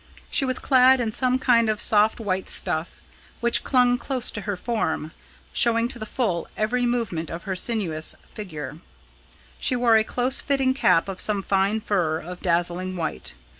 She was clad in some kind of soft white stuff, which clung close to her form, showing to the full every movement of her sinuous figure. She wore a close fitting cap of some fine fur of dazzling white.